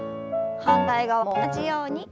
反対側も同じように。